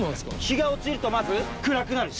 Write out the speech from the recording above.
日が落ちるとまず暗くなる。